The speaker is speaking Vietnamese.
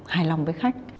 hài lòng với khách